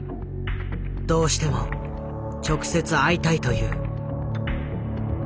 どうしても直接会いたいという。